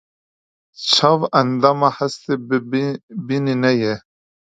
Çav endamê hestê bînînê ye.